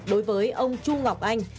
đối với ông chu ngọc anh